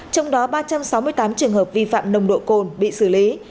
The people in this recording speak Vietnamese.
trong đó ba trăm sáu mươi tám trường hợp vi phạm nồng độ cồn bị xử lý